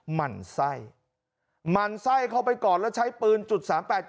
หมั่นไส้หมั่นไส้เข้าไปก่อนแล้วใช้ปืนจุดสามแปด